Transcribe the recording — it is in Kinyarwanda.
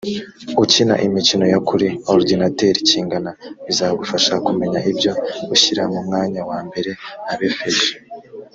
ukina imikino yo kuri orudinateri kingana bizagufasha kumenya ibyo ushyira mu mwanya wa mbere abefeso